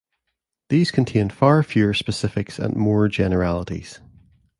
These contained far fewer specifics and more generalities.